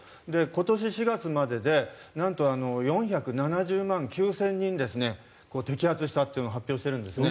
今年４月まででなんと４７０万９０００人摘発したというのを発表しているんですね。